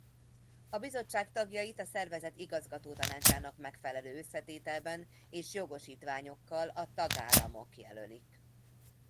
A bizottság tagjait a szervezet igazgatótanácsának megfelelő összetételben és jogosítványokkal a tagállamok jelölik.